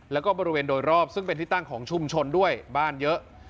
แล้วก็บริเวณโดยรอบซึ่งเป็นที่ตั้งของชุมชนด้วยบ้านเยอะ